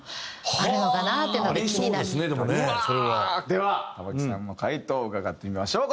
では玉置さんの回答伺ってみましょう。